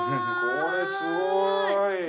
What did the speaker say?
これすごい！